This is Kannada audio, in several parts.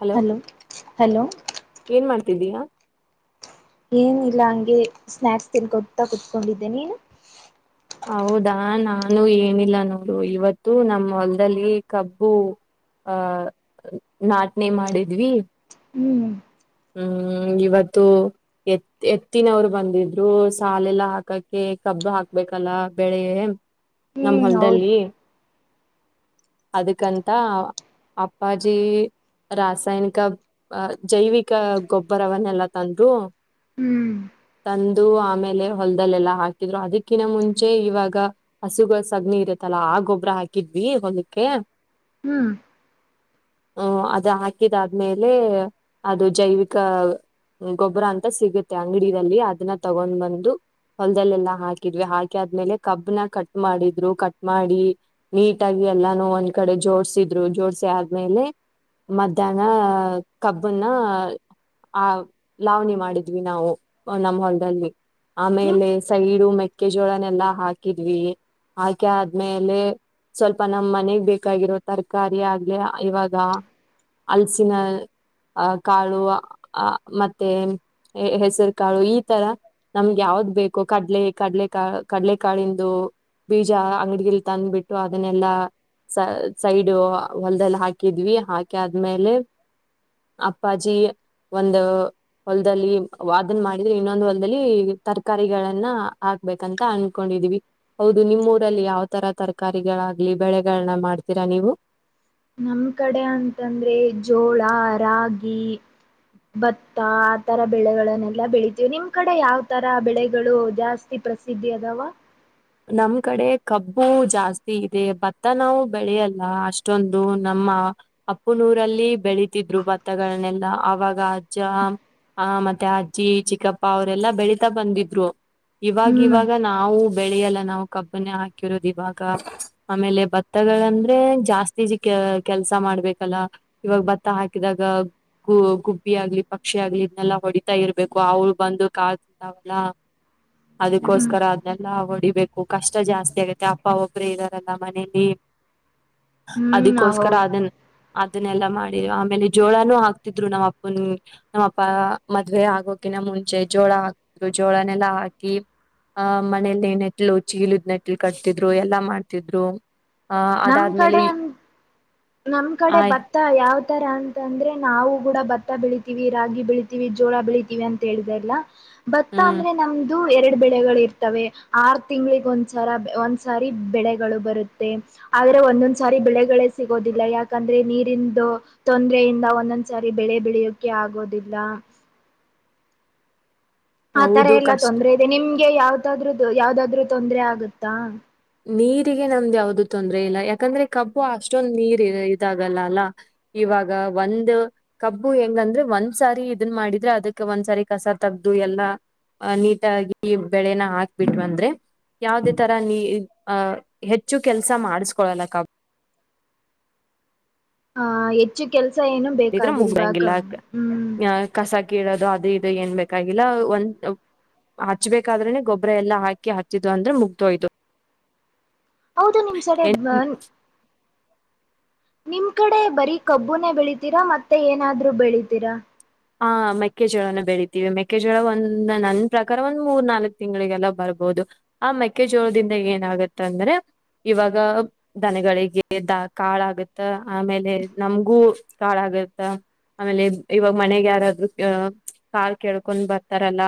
ಹಲೋ ಹಲೋ ಏನ್ ಮಾಡ್ತಿದ್ಯಾ. ಏನು ಇಲ್ಲ ಹಂಗೆ ಸ್ನಾಯಕ್ಸ್ ತಿನ್ಕೊತಾ ಕುತ್ಕೊಂಡಿದ್ದೇ ನಿನು. ಹೌದಾ ನಾನು ಏನಿಲ್ಲ ನೋಡು ಇವತ್ತು ನಮ್ ಹೊಲ್ದಲ್ಲಿ ಕಬ್ಬು ಅ ನಾಟ್ನೆ ಮಾಡುದ್ವಿ. ಹ್ಮ್ ಹ್ಮ್ ಇವತ್ತು ಎತ್ ಎತ್ತಿನವ್ರು ಬಂದಿದ್ರು ಸಾಲೆಲ್ಲ ಹಾಕಕ್ಕೆ ಕಬ್ಬು ಹಾಕ್ಬೇಕಲ್ಲ ಬೆಳೆ. ನಮ್ ಹ್ಮ್ ಹೌದು ಹೊಲ್ದಲ್ಲಿ. ಅದಕ್ಕಂತ ಅಪ್ಪಾಜಿ ರಾಸಾಯನಿಕ ಅ ಜೈವಿಕ್ ಕ್ಕ ಗೊಬ್ಬರವನ್ನೆಲ್ಲಾ ತಂದು ಹ್ಮ್ ತಂದು ಆಮೇಲೆ ಹೊಲ್ದಲೆಲಾ ಹಾಕಿದ್ರು ಅದಕಿನ ಮುಂಚೆ ಇವಾಗ ಹಸುಗುಳ್ ಸಗ್ಣಿ ಇರುತ್ತಲ್ಲ ಆ ಗೊಬ್ರ ಹಾಕಿದ್ವಿ ಹೊಲಕ್ಕೆ. ಹ್ಮ್ ಹ ಅದ್ ಹಾಕಿದಾದ್ಮೇಲೆ. ಅದು ಜೈವಿಕ ಗೊಬ್ರ ಅಂತ ಸಿಗುತ್ತೆ ಅಂಗ್ಡನಲ್ಲಿ ಅದನ್ನ ತಗೊಂಡ್ ಬಂದು ಹೊಲದಲ್ಲೆಲ್ಲಾ ಹಾಕಿದ್ವಿ ಹಾಕಿ ಆದ್ಮೇಲೆ ಕಬ್ನ ಕಟ್ ಮಾಡಿದ್ರು ಕಟ್ ಮಾಡಿ ನೀಟಾಗಿ ಎಲ್ಲಾನು ಒಂದ್ ಕಡೆ ಜೋಡಸಿದ್ರು ಜೋಡಸಿ ಆದ್ಮೇಲೆ ಮಧ್ಯಾಹ್ನ ಕಬ್ ನ್ನ ಆ ಲಾವಣಿ ಮಾಡಿದ್ವಿ ನಾವು ನಮ್ ಹೊಲ್ದಲ್ಲಿ. ನಿಮ್ ಆಮೇಲೆ ಸೈಡು ಮೆ ಕೆಜಿ ಒಳನೆಲ್ಲ ಹಾಕಿದ್ವಿ ಹಾಕಿ ಆದ್ಮೇಲೆ ಸ್ವಲ್ಪ ನಮ್ ಮನೆಗ್ ಬೇಕಾಗಿರೋ ತರ್ಕಾರಿ ಆಗ್ಲಿ ಇವಾಗ ಅಲ್ಸಿನ. ಅಹ ಕಾಳು ಅ ಮತ್ತೆ ಹೆಸ್ರ್ ಕಾಳು ಈ ತರ ನಮ್ಗೆ ಯಾವ್ದ್ ಬೇಕೊ ಕಡ್ಲೆ ಕಡ್ಲೆಕಾ ಕಡಲೆಕಾಳಿಂದು ಬೀಜ ಅಂಗ್ಡಿಯಲ್ ತಂದ್ಬಿಟ್ಟು ಅದನ್ನೆಲ್ಲಾ ಸ ಸೈಡ್ ಹೊಲ್ದಲ್ಲಿ ಹಾಕಿದ್ವಿ ಹಾಕಿ ಆದ್ಮೇಲೆ. ಅಪ್ಪಾಜಿ ಒಂದ ಹೊಲ್ದಲ್ಲಿ ವಾಗನ್ ಮಾಡಿದ್ರೆ ಇನ್ನೊಂದ್ ಹೊಲ್ದಲ್ಲಿ ತರ್ಕಾರಿಗಳನ್ನ ಹಾಕ್ಬೇಕಂತ ಅನ್ಕೊಂಡಿದೀವಿ ಹೌದು ನಿಮ್ಮ್ ಊರಲ್ಲಿ ಯಾವ್ ತರ ತರಕಾರಿಗಳಾಗ್ಲಿ ಬೆಳೆಗಳನ್ನ ಮಾಡ್ತೀರ ನೀವು. ನಮ್ ಕಡೆ ಅಂತಂದ್ರೆ ಜೋಳ ರಾಗಿ ಭತ್ತ ಆತರ ಬೆಳೆಗಳನ್ನೆಲ್ಲ ಬೆಳಿತೀವ್ ನಿಮ್ ಕಡೆ ಯಾವ್ ತರ ಬೆಳೆಗಳು ಜಾಸ್ತಿ ಪ್ರಸಿದ್ಧಿ ಅದವಾ. ನಮ್ ಕಡೆ ಕಬ್ಬು ಜಾಸ್ತಿ ಇದೆ ಭತ್ತ ನಾವು ಬೆಳ್ಯಲ್ಲ ಅಷ್ಟೊಂದು ನಮ್ಮ ಅಪುನೂರಲ್ಲಿ ಬೆಳಿತಿದ್ರು ಭತ್ತಗಳನ್ನೆಲ್ಲ ಅವಾಗ ಅಜ್ಜ ಆ ಮತ್ತೆ ಅಜ್ಜಿ ಚಿಕ್ಕಪ್ಪ ಅವ್ರೆಲ್ಲಾ ಬೆಳೀತಾ ಬಂದಿದ್ರು. ಇವಾಗ್ ಹ್ಮ್ ಇವಾಗ ನಾವು ಬೆಳ್ಯಲ್ಲ ನಾವು ಕಬ್ಬನ ಹಾಕಿರೋದು ಇವಾಗ ಆಮೇಲೆ ಭತ್ತಗಳಂದ್ರೆ ಜಾಸ್ತಿ ಕೆಲ್ಸ ಮಾಡ್ಬೇಕಲ್ಲ ಇವಾಗ ಭತ್ತ ಹಾಕಿದಾಗ ಗು ಗುಬ್ಬಿ ಆಗ್ಲಿ ಪಕ್ಷಿ ಆಗ್ಲಿ ಇದನ್ನಲ್ಲಾ ಹೊಡಿತಾ ಇರ್ಬೇಕು ಅವಳ ಬಂದು ಕಾಳ ತಿಂತಾವಲ್ಲ ಹ್ಮ್ ಅದಕ್ಕೋಸ್ಕರ ಅದ್ನೇ ಎಲ್ಲಾ ಹೊಡಿಬೇಕು ಕಷ್ಟ ಜಾಸ್ತಿ ಆಗತ್ತೆ ಅಪ್ಪ ಒಬ್ರೆ ಇದ್ದಾರಲ್ಲ ಮನೆಲಿ. ಹ್ಮ್ ಅದಿಕ್ಕೋಸ್ಕರ ಹೌದು ಅದನ್ ಅದನ್ನೆಲ್ಲ ಮಾಡಿ ಆಮೇಲೆ ಜೋಳನೂ ಹಾಕ್ತಿದ್ರು ನಮ್ಮ್ ಅಪ್ಪನ್ ನಮ್ಮಪ್ಪಾ ಮದ್ವೆ ಆಗೋಕಿನ ಮುಂಚೆ ಜೋಳ ಹಾಕ್ತಿದ್ರು ಜೋಳನೆಲ್ಲಾ ಹಾಕಿ ಆಹ ಮನೇಲಿ ನೆಟ್ಲು ಚೀಲುದ್ ನೆಟ್ಲು ಕಟ್ತಿದ್ರು ಎಲ್ಲಾ ಮಾಡ್ತಿದ್ರು. ಆ ನಮ್ ಅದಾದ್ಮೇಲೆ ಕಡೆ ಅಂ ನಮ್ ಕಡೆ ಆಯ್ ಭತ್ತ ಯಾವ್ ತರ ಅಂತಂದ್ರೆ ನಾವು ಗುಡ ಬತ್ ತ ಬೆಳಿತೀವಿ ರಾಗಿ ಬೆಳಿತೀವಿ ಜೋಳ ಬೆಳಿತೀವಿ ಅಂತ ಹೇಳಿದೆ ಅಲ್ಲ. ಭತ್ತ ಹ್ಮ್ ಅಂದ್ರೆ ನಮ್ದು ಎರಡ್ ಬೆಳೆಗಳ್ ಇರ್ ತ್ತವೆ ಆರ್ ತಿಂಗ್ಳಿಗ್ ಒಂದ್ಸರ ಒಂದ್ಸಾರಿ ಬೆಳೆಗಳು ಬರುತ್ತೆ. ಆದ್ರೆ ಒಂದೊಂದ್ಸಾರಿ ಬೆಳೆಗಳೇ ಸಿಗೋದಿಲ್ಲ ಯಾಕಂದ್ರೆ ನೀರಿಂದು ತೊಂದ್ರೆಯಿಂದ ಒಂದೊಂದ್ಸಾರಿ ಬೆಳೆ ಬೆಳೆಯೋಕೆ ಆಗೋದಿಲ್ಲ. ಆತರ ಹೌದು ಎಲ್ಲಾ ಕಷ್ಟ ತೊಂದ್ರೆ ಇದೆ ನಿಮ್ ಗೆ ಯಾವ್ದಾದ್ರೂ ಯಾವ್ದಾದ್ರು ತೊಂದ್ರರೆ ಆಗುತ್ತಾ ನೀರಿಗೆ ನಮ್ದ ಯಾವ್ದು ತೊಂದ್ರ ಇಲ್ಲ ಯಾಕಂದ್ರೆ ಕಬ್ಬು ಅಷ್ಟೊಂದ ನೀರ್ ಇದಾಗಲ್ಲ ಅಲ್ಲ ಇವಾಗ ಒಂದ್ ಕಬ್ಬು ಹೆಂಗಂದ್ರೆ ಒಂದ್ಸಾರಿ ಇದನ್ನ ಮಾಡಿದ್ರೆ ಅದಕ್ ಒಂದ್ಸಾರಿ ಕಸ ತಗ್ದು ಎಲ್ಲಾ ನೀಟಾಗಿ ಬೆಳೆನ ಹಾಕ್ಬಿಟ್ ಬಂದ್ರೆ ಯಾವ್ದೇ ತರ ನೀ ಅಹ ಹೆಚ್ಚು ಕೆಲ್ಸ ಮಾಡಸ್ಕೊೊಳ್ಳಲಕ್ಕ ಹಾ ಹೆಚ್ಚು ಕೆಲ್ಸ ಸ ಏನು ಕಬ್ಬಿದ್ರೆ ಬೇಕಾಗಿಲ್ವಾಗ ಹ್ಮ್ ಕೋದು ಅದು ಇದು ಏನ್ ಬಾಗಿಲ್ಲ ಒಂದ ಹಚ್ಬೇಕಾದ್ರೆನೆ ಗೊಬ್ಬ್ರ ಎಲ್ಲಾ ಹಾಕಿ ಹಚ್ಚಿದು ಅಂದ್ರೆ ಮುಗ್ದೋಯತು ಹೌದು ನಿಮ್ ಸಡೆ ಬನ್ ನಿಮ್ ಕಡೆ ಬರೀ ಕಬ್ಬುನೇ ಬೆಳಿತೀರಾ ಮತ್ತೆ ಏನಾದ್ರೂ ಬೆಳಿತೀರಾ ಆ ಮೆಕ್ಕೆಜೋಳನ ಬೆಳಿತೀವಿ ಮೆಕ್ಕೆಜೋಳ ಒಂದ ನನ್ ಪ್ರಕಾರ ಒಂದ್ ಮೂರ್ ನಾಲ್ಕಕ್ ತಿಂಗಳಿಗೆಲ್ಲ ಬರ್ಬಹದು ಆ ಮೆಕ್ಕೆಜೋಳದಿಂದ ಏನಾಗತ್ತ ಅಂದ್ರೆ ಇವಾಗ ದನಗಳಿಗೆ ದ ಕಾಳಾಗತ್ತ ಆಮೇಲೆ ನಮ್ಗೂ ಕಾಳಾಗತ್ತ ಆಮೇಲೆ ಇವಾಗ ಮನೆಗೆ ಯಾರಾದ್ರು ಕಾಲ್ ಕೇಳ್ಕೊಂಡ್ ಬರ್ತಾರಲ್ಲ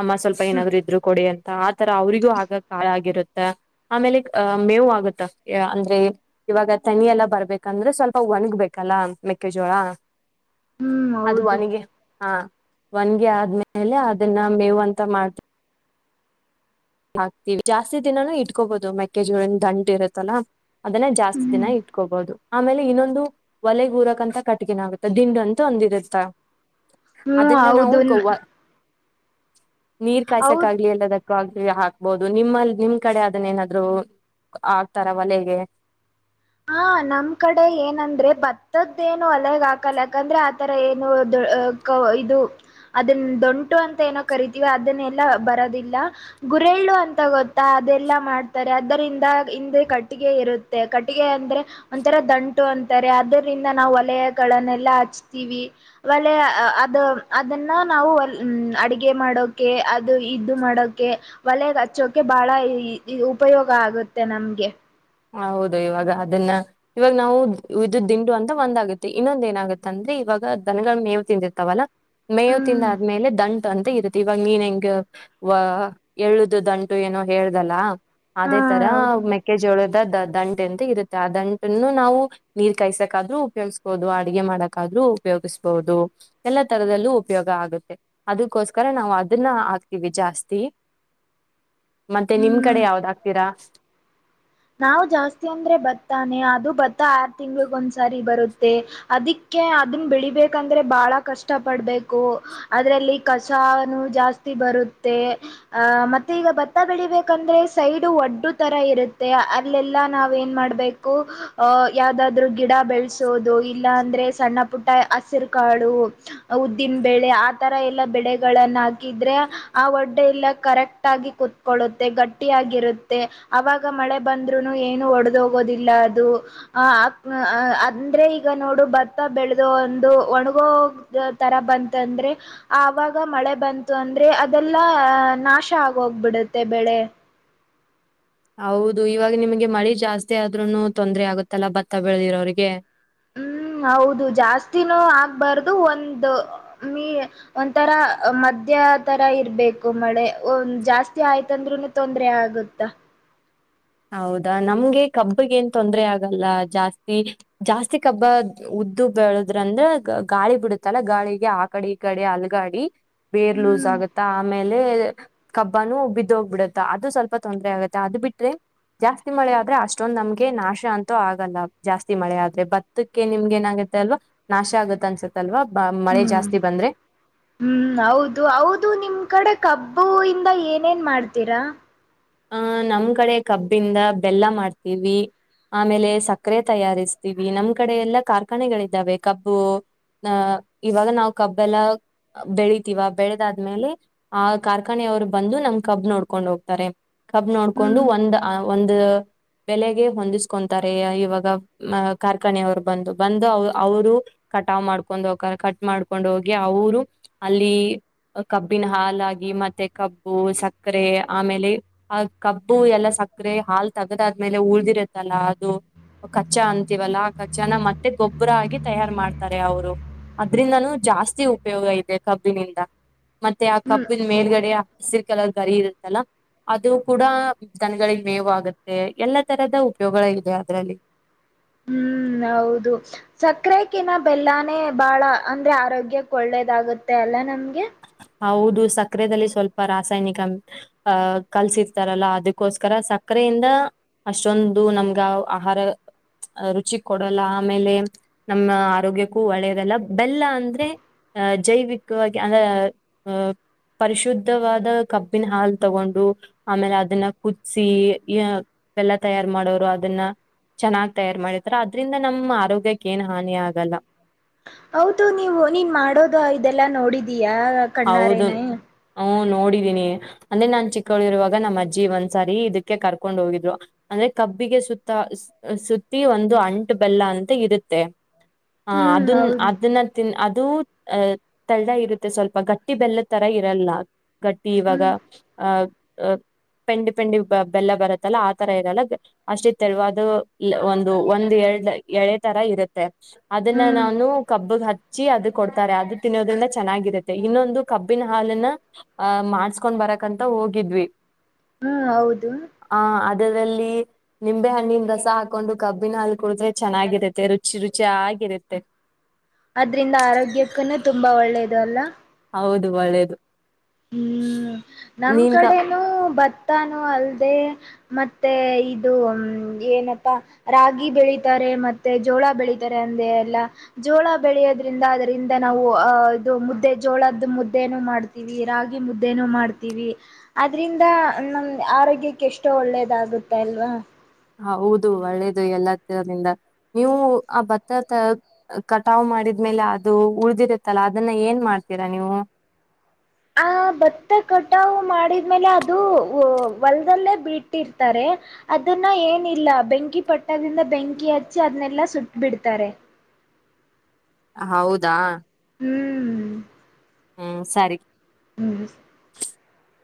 ಅಮ್ಮ ಸ್ವಲ್ಪ ಏನಾದ್ರು ಇದ್ರು ಕೊಡ ಆತರ ಅವ್ರಿಗೂ ಆಗ ಕಾ ಆಗಿರುತ್ತ ಆಮೇಲೆ ಆಹ ಮೇವು ಆಗುತ್ತ ಅಂದ್ರೆ ಇವಾಗ ತನಿೆಲ್ಲ ಬರ್ಬೇಕಂದ್ರೆ ಸ್ವಲ್ಪ ಒಣಗ್ಬೇಕಲ್ಲ ಮೆಕ್ಕೆಜೋಳ ಹ್ಮ್ ಹೌದು ಅದುವನಿಗೆ ಹಾ ಒನ್ಗೆ ಆದ್ಮೇಲೆ ಅದನ್ನ ಮೇವು ಅಂತ ಮಾಡ್ತ ಹಾಕ್ತಿವಿ ಜಾಸ್ತಿ ದಿನಾನೂ ಇಟ್ಕೋಬಹುದು ಮೆಕ್ಕೆಜೋಳನ್ ದಂಟು ಇರತ್ತಲ್ಲಾ ಅದನ್ನ ಜಾಸ್ತಿ ಹ್ಮ್ ದಿನ ಇಟ್ಕೋಬಹುದು ಆಮೇಲೆ ಇನ್ನೊಂದು ಒಲೆಗೂರಕಂತ ಕಟ್ಕನ್ ಆಗುತ್ತ ದಿಂಡು ಅಂತ ಒಂದಿರುತ್ತ ಹ್ಮ್ ಅದನ್ನ ನಾವು ಹೌದುನ್ ವ ನೀರ್ ಕಾಯಸಕ್ಾಗಗ್ಲಿ ಎಲ್ಲದ [inaudible] ಈಗ ಹಾಕ್ಬೋುದು ನಿಮ್ಮಲ್ ನಿಮ್ ಕಡೆ ಅದನ್ನ ಏನಾದ್ರು ಆಗ್ತಾರ ಒಲೆಗೆ ಹಾ ನಮ್ ಕಡೆ ಏನಂದ್ರೆ ಭತ್ತದೇನು ಒಲೆಗ್ ಹಾಕಲ್ಲ ಯಾಕಂದ್ರೆ ಆತರ ಏನು ಇದು ಅದನ್ ದೊಂಟು ಅಂತ ಏನೋ ಕರಿತೀವಿ ಅದನ್ನೆಲ್ಲಾ ಬರೋದಿಲ್ಲ ಗುರೆಳ್ಳು ಅಂತ ಗೊತ್ತಾ ಅದೆಲ್ಲಾ ಮಾಡ್ತಾರೆ ಅದರಿಂದ ಹಿಂದೆ ಕಟ್ಟಿಗೆ ಇರುತ್ತೆ ಅಗೆ ಅಂದ್ರೆ ಒಂಥರ ದಂಟು ಅಂತಾರೆ ಅದರಿಂದ ನಾವು ಒಲಯಗಳನ್ನೆಲ್ಲ ಹಚ್ತೀವಿ ಒಲ ಅದು ಅದನ್ನ ನಾವು್ಮ್ ಅಡಗೆ ಮಾಡೋಕೆ ಅದು ಇದು ಮಾಡೋಕೆ ಒಲೆ ಹಚ್ಚೋಕೆ ಬಹಳ ಉಪಯೋಗ ಆಗುತ್ತೆ ನಮ್ಗೆ ಹ ಹೌದು ಇವಾಗ ಅದನ್ನ ಇವಾಗ ನಾವು ಇದು ದಿಂಡು ಅಂತ ಒಂದಾಗುತ್ತೆ ಇನ್ನೊಂದ ಏನಾಗತ್ತೆ ಅಂದ್ರೆ ಇವಾಗ ದನಗಳ ಮೇವು ತಿಂದಿರ್ತಾವಲ್ಲಾ ಮೇವು ತಿಂದ ಹ್ಮ್ ಆದ್ಮೇಲೆ ದಂಟ ಅಂತ ಇರುತ್ತೆ ಇವಾಗ ನೀನ್ ಹೆಂಗ ವ ಎಳುದುದಂಟು ಏನೋ ಹೇಳ್ದಲ್ಲ ಹಾ ಅದೇ ತರ ಹೌದು ಮೆಕ್ಕೆಜೋಳದ ದ ದಂಟೆ ಎಂತ ಇರುತ್ತೆ ಆ ದಂಟನ್ನು ನಾವು ನೀರ್ ಕಾಯಸಕಾದ್ರೂ ಉಪಯೋಗಸ್ಬಹದು ಅಡಗೆ ಮಾಡಕಾದ್ೂ ಉಪಯೋಗಿಸ್ಬೋುದು ಎಲ್ಲಾ ತರದಲ್ಲೂ ಉಪಯೋಗ ಆಗುತ್ತೆ ಅದಕ್ಕೋಸ್ಕರ ನಾವು ಅದನ್ನ ಹಾಕ್ತಿೀವಿ ಜಾಸ್ತಿ ಮತ್ತೆ ನಿಮ್ ಕಡೆ ಹ್ಮ್ ಯಾವ್ದ ಆ್ತೀರಾ ನಾವು ಜಾಸ್ತಿ ಅಂದ್ರೆ ಭತ್ತಾನೆ ಅದು ಭತ್ತ ಆರ್ ತಿಂಗಳಗ ಒಂದ್ಸಾರಿ ಬರುತ್ತೆ ಅದಕ್ಕೆ ಅದನ್ನ ಬೆಳಿಬೇಕಂದ್ರೆ ಬಹಳ ಕಷ್ಟ ಪಡ್ಬೇಕು ಅದ್ರಲ್ಲಿ ಕಸಾನು ಜಾಸ್ತಿ ಬರುತ್ತೆ ಅಹ ಮತ್ತೆ ಈಗ ಭತ್ತ ಬೆಳಿಬೇಕಂದ್ರೆ ಸೈಡು ಒಡ್ಡ ತರ ಇರುತ್ತೆ ಅಲ್ಲೆಲ್ಲಾ ನಾವ ಏನ್ ಮಾಡ್ಬೇಕು ಅಹ ಯಾವ್ದಾದ್ರು ಗಿಡ ಬೆಳೆಸೋದು ಇಲ್ಲಾ ಅಂದ್ರೆ ಸಣ್ಣ ಪುಟ್ಟ ಹಸಿರು ಕಾಳು ಉದ್ದಿನ ಬೆಳೆ ಆತರ ಎಲ್ಲ ಬೆಳೆಗಳನ್ನ ಹಾಕಿದ್ರೆ ಆ ಒಡ್ಡೆ ಎಲ್ಲ ಕರೆಕ್ಟ್ ಆಗಿ ಕುೂತ್ಕೊಳ್ಳುತ್ತೆ ಗಟ್ಟಿಯಾಗಿರುತ್ತೆ ಅವಾಗ ಆಗ ಮಳೆ ಬಂದ್ರುನು ಏನು ಒಡೆದೋಗೋದಿಲ್ಲ ಅದು ಹ ಅಂದ್ರೆ ಈ ಈಗ ನೋಡು ಭತ್ತ ಬೆಳೆದು ಒಂದು ಒಣಗೋ ತರ ಬಂತ ಅಂದ್ರೆ ಆವಾಗ ಮಳೆ ಬಂತು ಅಂದ್ರೆ ಅದೆಲ್ಲಾ ನಾಶ ಆಗೋಗ್ಬಿಡುತ್ತೆ ಬೆಳೆ ಹೌದು ಇವಾಗ ನಿಮ್ಗೆ ಮಳೆ ಜಾಸ್ತಿ ಆದ್ೂನು ತೊಂದ್ರ ಆಗುತ್ತಲ್ಲ ಭತ್ತ ಬೆಳೆದಿರೋ್ರಿಗೆ ಹ್ಮ್ ಹೌದು ಜಾಸ್ತಿನೂ ಆಗ್ಬಾರ್ದು ಒಂದು ಮ ಒಂಥರ ಮಧ್ಯ ತರ ಇರ್ಬೇಕು ಮಳೆ ಒ್ ಜಾಸ್ತಿ ಆಯ್ತ ಅದ್ರುನು ತೊಂದ್ರ ಆಗುತ್ತ ಹೌದಾ ನಮ್ಗೆ ಕಬ್ಬಗ ಏನ್ ತೊಂದ್ರ ಆಗಲ್ಲ ಜಾಸ್ತಿ ಜಾಸ್ತಿ ಕಬ್ಬ ಉದ್ದು ಬೆಳದ್ರ ಅಂದ್ರ ಗಾಳಿ ಬಿಡುತ್ತಲ್ಲ ಗಾಳಿಗೆ ಆ ಕಡೆ ಈ ಕಡೆ ಅಲಗಾಡಿ ಬೇರ್ ಲೂಸ್ ಹ್ಮ್ ಆಗುತ್ತ ಆಮೇಲೆ ಕಬ್ಬನುೂ ಬಿದ್ದೋಗ್ ಬಿಡುತ್ತ ಅದು ಸ್ವಲ್ಪ ತೊಂದ್ರ ಆಗತ್ತೆ ಅದು ಬಿಟ್ರೆ ಜಾಸ್ತಿ ಮಳೆ ಆದ್ರೆ ಅಷ್ಟೊಂದ ನಮ್ಗೆ ನಾಶ ಅಂತೂ ಆಗಲ್ಲ ಜಾಸ್ತಿ ಮಳೆ ಆದ್ರೆ ಭತ್ತಕ್ಕೆ ನಿಮ್ಗೆ ಏನಾಗತ್ತೆ ಅಲ್ವಾ ನಾಶ ಆಗತ್ ಅನ್ಸತ್ತಲ್ವಾ ಹ್ಮ್ ಹ್ಮ್ ಹೌದು ಹೌದು ನಿಮ್ ಕಡೆ ಕಬ್ಬ ಬೂ ಇಂದ ಏನೇನ್ ಮಾಡ್ತೀರಾ ಆಹ್ ನಮ್ ಕಡೆ ಕಬ್ಬಿಂದ ಬೆಲ್ಲ ಮಾಡ್ತೀವಿ ಆಮೇಲೆ ಸಕ್ಕರೆ ತಯಾರಿಸ್ತೀವಿ ನಮ್ ಕಡೆ ಎಲ್ಲ ಕಾರ್ಖಾನೆಗಳಿದ್ದಾವೆ ಕಬ್ಬು ಅಹ ಇವಾಗ ನಾವು ಕಬ್ ಎಲ್ಲ ಬೆಳತಿವ ಬೆಳೆದಾದ್ಮೇಲೆ ಆ ಕಾರ್ಖಾನೆಯವ್ರು ಬಂದು ನಮ್ ಕಬ್ ನೋಡ್ಕೊಂಡ್ ಹೋಗ್ತಾರೆ ಕಬ್ ನೋಡ್ಕೊಂಡು ಹ್ಮ್ ಒಂದ್ ಅ ಒಂದು. ಬೆಲೆಗೆ ಹೊಂದಿಸ್ಕೊಂತಾರೆ ಇವಾಗ ಕಾರ್ಖಾನೆಯವ್ರ್ ಬಂದು ಬಂದು ಅವ್ ಅವ್ರು ಕಟಾವ್ ಮಾಡ್ಕೊಂಡ್ ಹೋಕರೆ ಕಟ್ ಮಾಡ್ಕೊಂಡು ಹೋಗಿ ಅವ್ರು ಅಲ್ಲಿ ಕಬ್ಬಿನ ಹಾಲಾಗಿ ಮತ್ತೆ ಕಬ್ಬು ಸಕ್ಕರೆ ಆಮೇಲೆ. ಆ ಕಬ್ಬು ಎಲ್ಲ ಸಕ್ರೆ ಹಾಲ್ ತೆಗ್ದ್ ಆದ್ಮೇಲೆ ಉಳ್ದಿರುತ್ತಲ್ಲಾ ಅದು ಕಚ್ಚ ಅಂತೀವಲ್ಲ ಆ ಕಚ್ಚನ ಮತ್ತೆ ಗೊಬ್ರ ಆಗಿ ತಯಾರ್ ಮಾಡ್ತಾರೆ ಅವ್ರು ಅದ್ರಿಂದನೂ ಜಾಸ್ತಿ ಉಪ್ಯೋಗ ಇದೆ ಕಬ್ಬಿನಿಂದ ಮತ್ತೆ ಆ ಹ್ಮ್ ಕಬ್ಬಿನ್ ಮೇಲ್ಗಡೆ ಹಸಿರ್ ಕಲರ್ ಗರಿ ಇರುತ್ತಲ್ಲ. ಅದು ಕೂಡ ದನಗ್ಳಿಗ್ ಮೇವ್ ಆಗುತ್ತೆ ಎಲ್ಲ ತರದ ಉಪ್ಯೋಗಗಳ್ ಇದೆ ಅದ್ರಲ್ಲಿ. ಹ್ಮ್ ಹೌದು ಸಕ್ರೆಕಿನ ಬೆಲ್ಲಾನೇ ಬಹಳ ಅಂದ್ರೆ ಆರೋಗ್ಯಕ್ಕೆ ಒಳ್ಳೇದಾಗುತ್ತೆ ಅಲ್ಲ ನಮ್ಗೆ. ಹೌದು ಸಕ್ರೆದಲ್ಲಿ ಸ್ವಲ್ಪ ರಾಸಾಯ್ನಿಕ ಅಹ ಕಲ್ಸಿರ್ತಾರಲ್ಲ ಅದುಕ್ಕೋಸ್ಕರ ಸಕ್ರೆಯಿಂದ ಅಷ್ಟೊಂದು ನಮ್ಗ ಆಹಾರ ರುಚಿ ಕೊಡಲ್ಲ ಆಮೇಲೆ ನಮ್ಮ ಆರೋಗ್ಯಕ್ಕೂ ಒಳ್ಳೆಯದಲ್ಲ ಬೆಲ್ಲ ಅಂದ್ರೆ ಅಹ ಜೈವಿಕವಾಗಿ ಅಂದ್ರ ಅಹ ಪರಿಶುದ್ಧವಾದ ಕಬ್ಬಿನ ಹಾಲ್ ತಗೊಂಡು ಆಮೇಲೆ ಅದನ್ನ ಕುದ್ಸಿ ಬೆಲ್ಲ ತಯಾರ್ ಮಾಡೋರು ಅದನ್ನ ಚೆನ್ನಾಗ್ ತಯಾರ್ ಮಾಡಿರ್ತಾರ ಅದ್ರಿಂದ ನಮ್ಮ ಆರೋಗ್ಯಕ್ಕೆ ಏನ್ ಹಾನಿ ಆಗಲ್ಲ. ಹೌದು ನೀವು ನೀನ್ ಮಾಡೋದು ಇದೆಲ್ಲಾ ನೋಡಿದಿ ಯ ಕಣ್ಣಾರೇನೇ. ಹು ನೋಡಿದೀನಿ ಅಂದ್ರೆ ನಾನ್ ಚಿಕೌಳಿರುವಾಗ ನಮ್ ಅಜ್ಜಿ ಒಂದ್ಸಾರಿ ಇದಕ್ಕೆ ಕರ್ಕೊಂಡ್ ಹೋಗಿದ್ರು ಅಂದ್ರೆ ಕಬ್ಬಿಗೆ ಸುತ್ತ ಸುತ್ತಿ ಒಂದು ಅಂಟ್ ಬೆಲ್ಲ ಅಂತ ಇರುತ್ತೆ. ಹ ಹ್ಮ್ ಅದನ್ ಹೌದು ಅದನ್ನ ತಿನ್ ಅದ್ ಅದು ಅ ತಳ ಇರುತ್ತೆ ಸ್ವಲ್ಪ್ ಗಟ್ಟಿ ಬೆಲ್ಲದ್ ತರ ಇರಲ್ಲ ಗಟ್ಟಿ ಇವಾಗ ಹ್ಮ್ ಅಹ ಪೆಂಡಿ ಪೆಂಡಿ ಬೆಲ್ಲ ಬರುತ್ತಲ್ಲ ಆ ತರ ಇರಲ್ಲ ಅಷ್ಟೇ ತೆಳ್ವದು ಒಂದು ಒಂದ್ ಎರಡ್ ಎಳೆ ತರ ಇರುತ್ತೆ. ಅದನ್ನ ಹ್ಮ್ ನಾನು. ಕಬ್ಬಗ್ ಹಚ್ಚಿ ಅದು ಕೊಡ್ತಾರೆ ಅದು ತಿನ್ನೋದ್ರಿಂದ ಚೆನ್ನಾಗಿರುತ್ ತೆ ಇನ್ನೊಂದು ಕಬ್ಬಿನ ಹಾಲನ್ನ ಅ ಮಾಡ್ಸ್ಕೊಂಡ್ ಬರಕಂತ ಹೋಗಿದ್ವಿ. ಹ್ಮ್ ಹೌದು. ದಲ್ಲಿ ನಿಂಬೆ ಹಣ್ಣಿನ್ ರಸ ಹಾಕೊಂಡು ಕಬ್ಬಿನ ಹಾಲ್ ಕುಡಿದ್ರೆ ಚೆನ್ನಾಗಿರುತ್ತೆ ರುಚಿ ರುಚಿ ಆಗಿರುತ್ತೆ. ಅದ್ರಿಂದ ಆರೋಗ್ಯಕ್ಕನು ತುಂಬಾ ಒಳ್ಳೇದು ಅಲ್ಲ. ಹೌದು ಒಳ್ಳೇದು. ಹ್ಮ್ ನಮ್ ನೀನ್ ಕ ಕಡೆನೂ ಭತ್ತಾನು ಅಲ್ದೆ. ಮತ್ತೆ ಇದು ಹ್ಮ್ ಏನಪ್ಪಾ ರಾಗಿ ಬೆಳಿತಾರೆ ಮತ್ತೆ ಜೋಳ ಬೆಳಿತಾರೆ ಅಂದೇ ಅಲ್ಲ ಜೋಳ ಬೆಳೆಯೋದ್ರಿಂದ ಅದರಿಂದ ನಾವು ಅ ಇದು ಮುದ್ದೆ ಜೋಳದ್ ಮುದ್ದೇನು ಮಾಡ್ತೀವ್ ವಿ ರಾಗಿ ಮುದ್ದೇನು ಮಾಡ್ತೀವಿ ಅದ್ರಿಂದ ನಮ್ ಆರೋಗ್ಯಕ್ಕೆ ಎಷ್ಟೋ ಒಳ್ಳೇದಾಗುತ್ತೆ ಅಲ್ವಾ. ಹೌದು ಒಳ್ಳೇದು ಎಲ್ಲ ತರದಿಂದ ನೀವು ಆ ಭತ್ತತ್ ಕಟಾವು ಮಾಡಿದ್ಮೇಲೆ ಅದು ಉಳ್ದಿರತ್ತಲ್ಲ ಅದನ್ನ ಏನ್ ಮಾಡ್ತೀರಾ ನೀವು. ಆ ಭತ್ತ ಕಟಾವು ಮಾಡಿದ್ಮೇಲೆ ಅದು ಹೊ ವಲ್ದಲ್ಲೇ ಬಿಟ್ಟಿರ್ತಾರೆ ಅದನ್ನ ಏನಿಲ್ಲ ಬೆಂಕಿ ಪಟ್ಣದಿಂದ ಬೆಂಕಿ ಹಚ್ಚಿ ಅದ್ನೆಲ್ಲಾ ಸುಟ್ ಬಿಡ್ತಾರೆ. ಹೌದಾ. ಹ್ಮ್ ಹ್ಮ ಸರಿ. ಹ್ಮ್ [unintelligible]